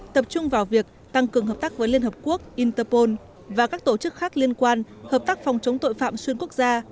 tập trung vào việc tăng cường hợp tác với liên hợp quốc interpol và các tổ chức khác liên quan hợp tác phòng chống tội phạm xuyên quốc gia